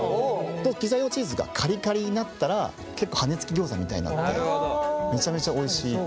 でピザ用チーズがカリカリになったら結構はねつきギョーザみたいになってめちゃめちゃおいしい。